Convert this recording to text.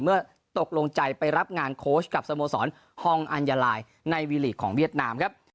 เมื่อตกลงใจไปรับงานโค้ชกับสโมสรฮองอัญญาลายในวีลีกของเวียดนามครับ